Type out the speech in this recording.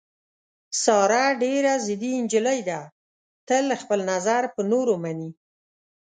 ساره ډېره ضدي نجیلۍ ده، تل خپل نظر په نورو مني.